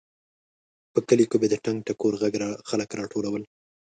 په کلیو کې به د ټنګ ټکور غږ خلک راټولول.